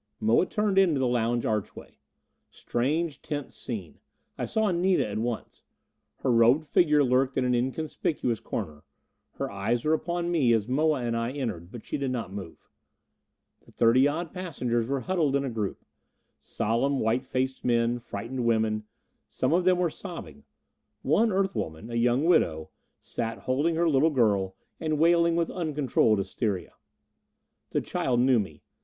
Moa turned into the lounge archway. Strange, tense scene. I saw Anita at once. Her robed figure lurked in an inconspicuous corner; her eyes were upon me as Moa and I entered, but she did not move. The thirty odd passengers were huddled in a group. Solemn, white faced men, frightened women. Some of them were sobbing. One Earth woman a young widow sat holding her little girl, and wailing with uncontrolled hysteria. The child knew me.